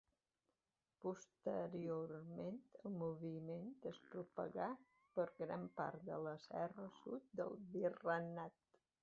Posteriorment el moviment es propagà per gran part de la serra sud del virregnat.